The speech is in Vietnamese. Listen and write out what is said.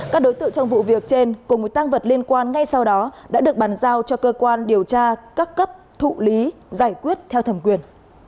các đối tượng trong vụ việc trên cùng một tăng vật liên quan ngay sau đó đã được bàn giao cho cơ quan điều tra các cấp thụ lý giải quyết theo thẩm quyền